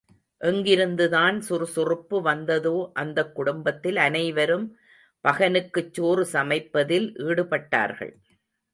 எங்கிருந்துதான் சுறுசுறுப்பு வந்ததோ அந்தக் குடும்பத்தில் அனைவரும் பகனுக்குச் சோறு சமைப்பதில் ஈடுபட்டார்கள்.